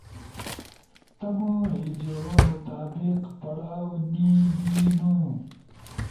ا تمو ہیجو مطابق پڑاؤ نی بینو،